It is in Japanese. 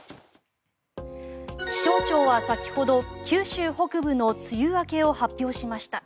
気象庁は先ほど九州北部の梅雨明けを発表しました。